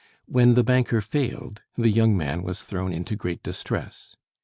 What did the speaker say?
When the banker failed the young man was thrown into great distress.